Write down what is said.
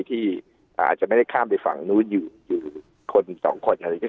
ที่อาจจะไม่ได้ข้ามไปฝั่งนู้นอยู่อยู่คนสองคน